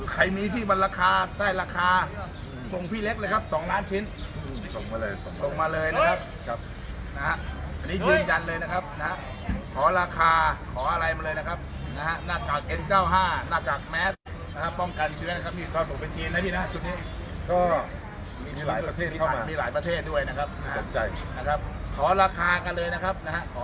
ขอให้มีเงินกันนะครับมีเงินจริงครับ